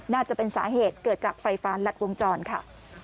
น่าจะเป็นสาเหตุเกิดจากไฟฟ้ารัดวงจรค่ะ